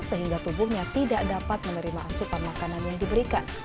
sehingga tubuhnya tidak dapat menerima asupan makanan yang diberikan